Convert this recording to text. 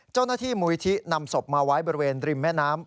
เจ้าหน้าที่มูลิธินำศพมาไว้บริเวณริมแม่น้ำ